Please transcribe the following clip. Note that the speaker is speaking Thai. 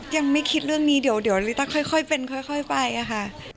ยังไม่คิดเรื่องนี้เดี๋ยวลิต้าค่อยเป็นค่อยไปอะค่ะ